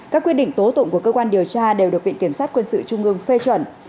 các quyết định tố tụng của cơ quan điều tra đều được viện kiểm sát quân sự trung ương phê chuẩn